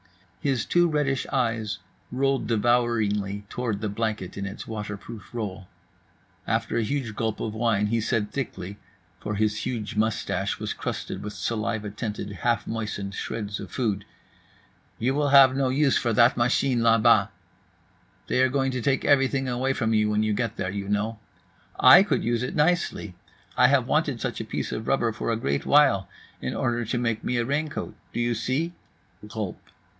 His two reddish eyes rolled devouringly toward the blanket in its waterproof roll. After a huge gulp of wine he said thickly (for his huge moustache was crusted with saliva tinted half moistened shreds of food), "You will have no use for that machine là bas. They are going to take everything away from you when you get there, you know. I could use it nicely. I have wanted such a piece of rubber for a great while, in order to make me a raincoat. Do you see?" (Gulp.